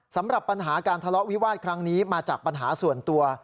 สำหรับปัญหาการทะเลาะวิวาสครั้งนี้มาจากปัญหาส่วนตัว